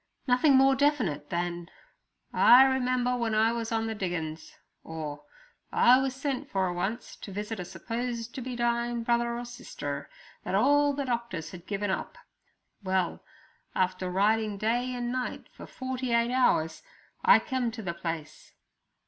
Nothing more definite than, 'I remember w'en I was on the diggings' or 'I wuz sent for r once to visit a supposed to be dying brother r or sister r that all the doctors had given up. Well, after r riding day and night for r forrty eight hours I kem to the place.'